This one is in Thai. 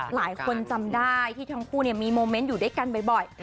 หลายคนจำได้ที่ทั้งคู่มีโมเมนต์อยู่ด้วยกันบ่อย